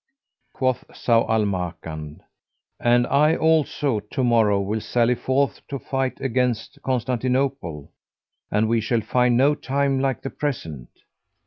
Quoth Zau al Makan, "And I also: To morrow we sally forth to fight against Constantinople, and we shall find no time like the present."